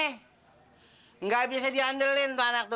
enggak bisa diandelin tuh anak tuh